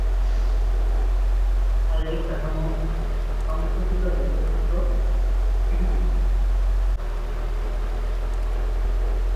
শারীরিক কাঠামো: সংকুচিত-দেহযুক্ত গিরগিটি।